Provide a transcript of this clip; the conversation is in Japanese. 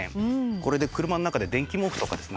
これで車の中で電気毛布とかですね